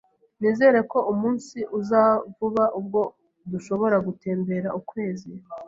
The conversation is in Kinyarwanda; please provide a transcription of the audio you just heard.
Nizere ko umunsi uza vuba ubwo dushobora gutembera ukwezi.